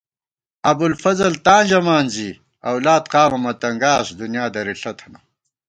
ابُوالفضل تاں ژمان زِی اؤلاد قامہ مہ تنگاس دُنیا درِݪہ تھنہ